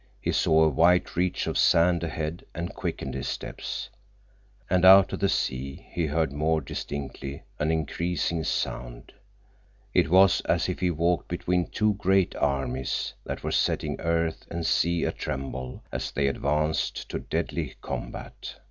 He saw a white reach of sand ahead and quickened his steps. And out of the sea he heard more distinctly an increasing sound. It was as if he walked between two great armies that were setting earth and sea atremble as they advanced to deadly combat.